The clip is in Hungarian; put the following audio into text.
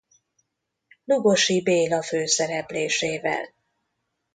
Lugosi Béla főszereplésével.